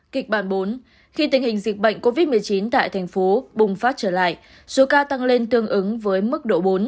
kịch bản bốn khi tình hình dịch bệnh covid một mươi chín tại thành phố bùng phát trở lại số ca tăng lên tương ứng với mức độ bốn